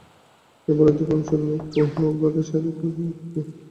কেবল অধিকাংশ লোক উহা অজ্ঞাতসারে করিয়া থাকে।